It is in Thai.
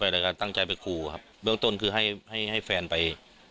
ไปอะไรครับตั้งใจไปครูครับเบื้องต้นคือให้ให้ให้แฟนไป